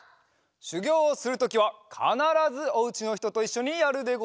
しゅぎょうをするときはかならずお家のひとといっしょにやるでござるぞ。